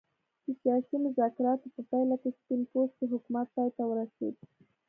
د سیاسي مذاکراتو په پایله کې سپین پوستو حکومت پای ته ورسېد.